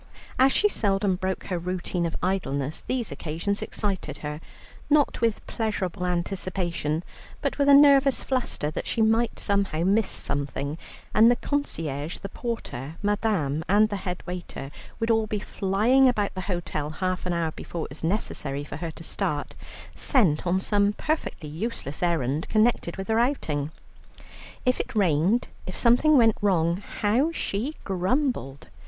As she seldom broke her routine of idleness, these occasions excited her, not with pleasurable anticipation, but with a nervous fluster that she might somehow miss something; and the concierge, the porter, Madame, and the head waiter, would all be flying about the hotel half an hour before it was necessary for her to start, sent on some perfectly useless errand connected with her outing. If it rained, if something went wrong, how she grumbled.